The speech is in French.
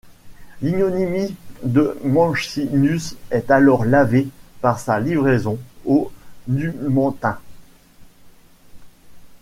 L'ignominie de Mancinus est alors lavée par sa livraison aux Numantins.